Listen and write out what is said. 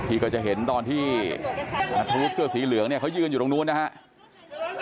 ก็จะเห็นตอนที่นัทธวุฒิเสื้อสีเหลืองเนี่ยเขายืนอยู่ตรงนู้นนะครับ